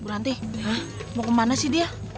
bu nanti mau kemana sih dia